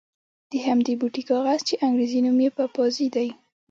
د همدې بوټي کاغذ چې انګرېزي نوم یې پپیازي دی.